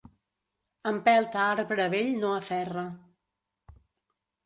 Empelt a arbre vell no aferra.